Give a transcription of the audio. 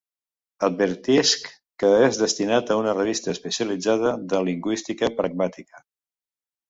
Advertisc que és destinat a una revista especialitzada de lingüística pragmàtica.